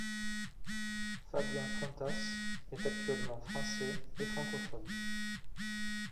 Fabien Fontas est actuellement français et francophone.